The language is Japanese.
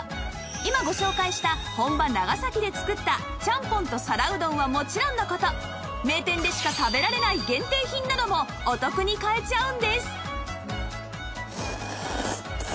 今ご紹介した本場長崎で作ったちゃんぽんと皿うどんはもちろんの事名店でしか食べられない限定品などもお得に買えちゃうんです！